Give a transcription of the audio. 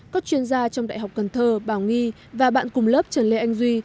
các chuyên gia trong đại học cần thơ bảo nghi và bạn cùng lớp trần lê anh duy